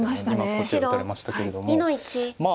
こちら打たれましたけれども。